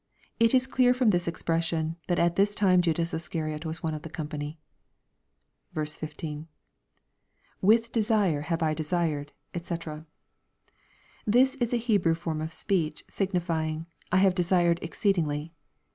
] It is clear from this expressiou that at this time Judas Iscariot was one of the company. 15. —[ With desire I have desired^ <fcc.] This is a Hebrew form of speech, signifying " I have desired exceedingly."